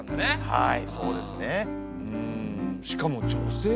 はい。